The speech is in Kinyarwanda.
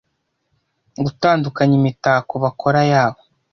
gutandukanya imitako bakora yabo